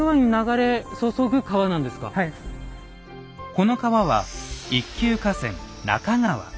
この川は一級河川中川。